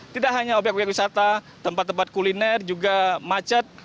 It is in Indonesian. tidak hanya obyek obyek wisata tempat tempat kuliner juga macet